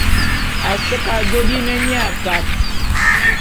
A se ke ajô bi ne mia kat.